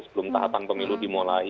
sebelum tahapan pemilu dimulai